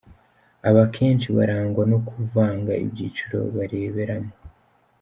Aba kenshi barangwa no kuvanga ibyiciro bareberamo.